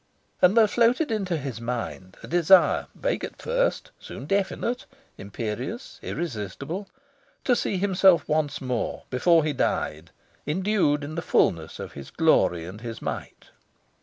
And there floated into his mind a desire, vague at first, soon definite, imperious, irresistible, to see himself once more, before he died, indued in the fulness of his glory and his might.